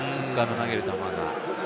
投げる球が。